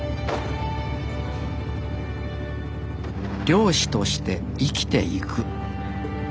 漁師として生きていく。